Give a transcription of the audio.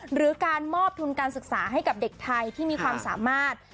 หรือการมอบทุนการศึกษาให้กับเด็กไทยที่มีความสามารถ